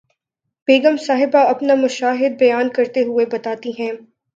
بیگم صاحبہ اپنا مشاہدہ بیان کرتے ہوئے بتاتی ہیں